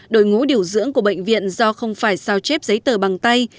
đội ngũ điều dưỡng của bệnh viện do không phải sao chép giấy tờ bằng tay